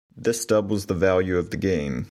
This doubles the value of the game.